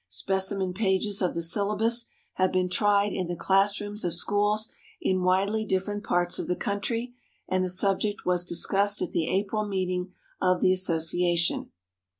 Specimen pages of the syllabus have been tried in the class rooms of schools in widely different parts of the country, and the subject was discussed at the April meeting of the association.